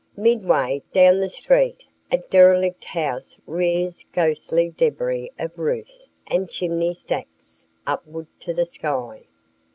Midway down the street a derelict house rears ghostly debris of roofs and chimney stacks upward to the sky.